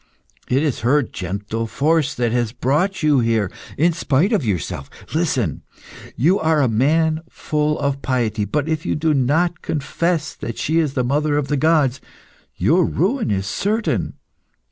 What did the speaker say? It is her gentle force that has brought you here in spite of yourself. Listen: you are a man full of piety, but if you do not confess that she is the mother of the gods, your ruin is certain.